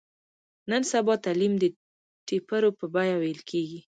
نن سبا تعلیم د ټېپرو په بیه ویل کېږي.